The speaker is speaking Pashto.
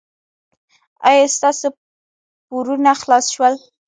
ایا ستاسو پورونه خلاص شول؟